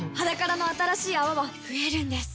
「ｈａｄａｋａｒａ」の新しい泡は増えるんです